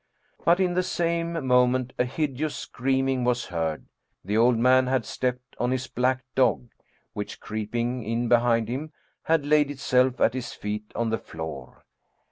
But in the same moment a hideous screaming was heard; the old man had stepped on his black dog, which, creeping in behind him, had laid itself at his feet on the floor.